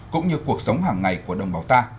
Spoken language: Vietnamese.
cũng như cuộc sống hàng ngày của đồng bào ta